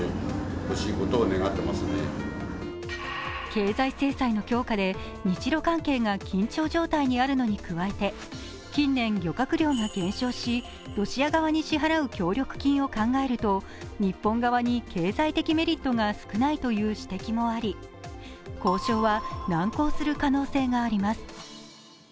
経済制裁の強化で日ロ関係が緊張状態にあるのに加えて近年、漁獲量が減少し、ロシア側に支払う協力金を考えると日本側に経済的メリットが少ないという指摘もあり交渉は難航する可能性があります。